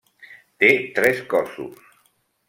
Té tres cossos.